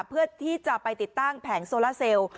เพื่อที่จะไปติดตั้งแผงโซล่าเซลล